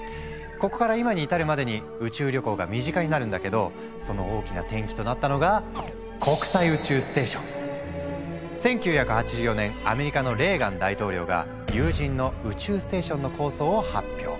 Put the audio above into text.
ここから今に至るまでに宇宙旅行が身近になるんだけどその大きな転機となったのが１９８４年アメリカのレーガン大統領が有人の宇宙ステーションの構想を発表。